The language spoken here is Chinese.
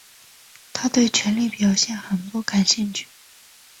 他对权力表现得不感兴趣。